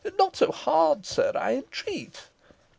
Not so hard, sir, I entreat."